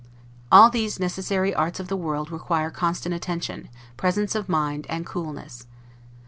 All these necessary arts of the world require constant attention, presence of mind, and coolness.